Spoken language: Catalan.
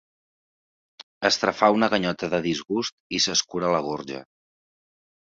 Estrafà una ganyota de disgust i s'escura la gorja.